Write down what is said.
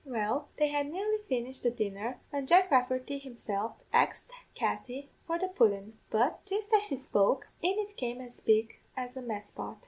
Well, they had nearly finished their dinner, when Jack Rafferty himself axed Katty for the pudden; but, jist as he spoke, in it came as big as a mess pot.